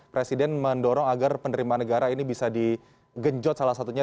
presiden mendorong agar penerimaan negara ini bisa digenjot salah satunya